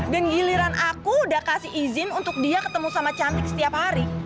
dan giliran aku udah kasih izin untuk dia ketemu sama cantik setiap hari